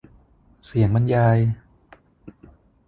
เสียงบรรยาย